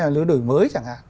là lứa đổi mới chẳng hạn